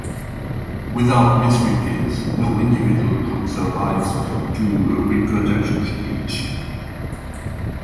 Without misrepairs, no individual could survive to reproduction age.